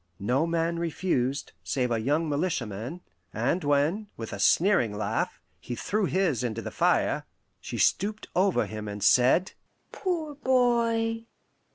No man refused, save a young militiaman; and when, with a sneering laugh, he threw his into the fire, she stooped over him and said, "Poor boy!